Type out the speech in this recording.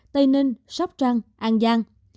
tây ninh sóc trăng an giang